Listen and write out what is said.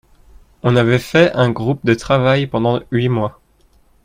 On avait fait un groupe de travail pendant huit mois.